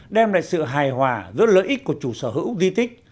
đem lại sự hài hòa giữa lợi ích của chủ sở hữu di tích